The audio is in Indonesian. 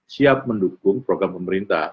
siap mendukung program pemerintah